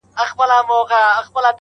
• پر وطن يې جوړه كړې كراري وه -